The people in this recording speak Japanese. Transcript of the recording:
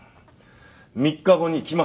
３日後に来ます。